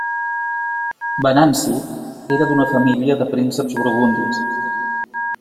Venanci era d'una família de prínceps burgundis.